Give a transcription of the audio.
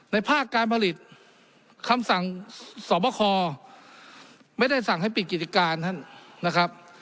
ภาคการผลิตคำสั่งสอบคอไม่ได้สั่งให้ปิดกิจการท่านนะครับ